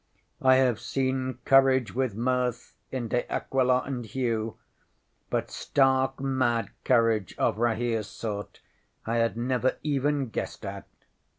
ŌĆśI have seen courage with mirth in De Aquila and Hugh, but stark mad courage of RahereŌĆÖs sort I had never even guessed at.